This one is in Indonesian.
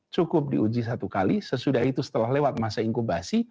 cukup diuji satu kali sesudah itu setelah lewat masa inkubasi